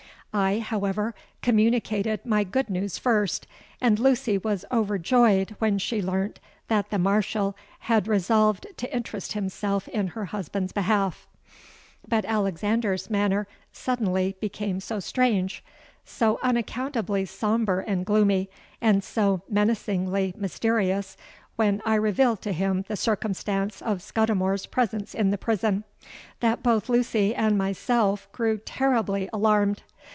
I, however, communicated my good news first; and Lucy was overjoyed when she learnt that the Marshal had resolved to interest himself in her husband's behalf. But Alexander's manner suddenly became so strange—so unaccountably sombre and gloomy—and so menacingly mysterious, when I revealed to him the circumstance of Scudimore's presence in the prison, that both Lucy and myself grew terribly alarmed.